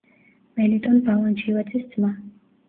მელიტონ ბალანჩივაძის ძმა.